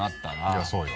いやそうよ。